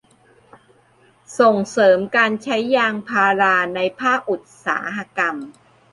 ส่งเสริมการใช้ยางพาราในภาคอุตสาหกรรม